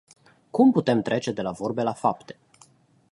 Cum putem trece de la vorbe la fapte?